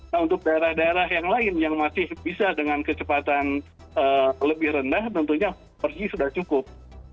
nah untuk daerah daerah yang lain yang masih bisa dengan kecepatan lebih rendah tentunya porsi sudah cukup